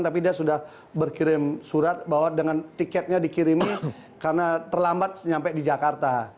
tapi dia sudah berkirim surat bahwa dengan tiketnya dikirimi karena terlambat nyampe di jakarta